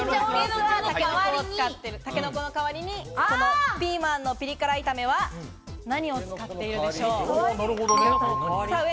タケノコの代わりにピーマンのピリ辛炒めは何を使っているでしょう？